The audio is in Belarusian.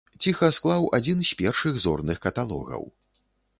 Ціха склаў адзін з першых зорных каталогаў.